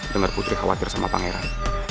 dengar putri khawatir sama pangeran